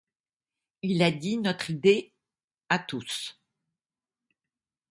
Il a dit notre idée à tous.